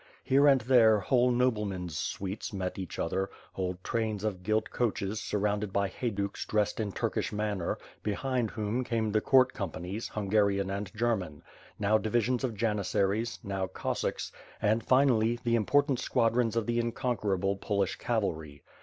Here and there whole noblemen's suites met each other, whole trains of gilt coaches surrounded by Hayduks dressed in Turkish manner, behind whom came the court companies, Hungarian and German; now divisions of Janissaries; now Cossacks, and finally, the important squadrons of the inconquerable Polish cavalry.